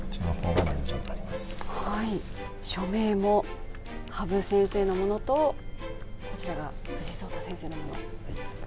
署名も羽生先生のものとこちらが藤井聡太先生のもの。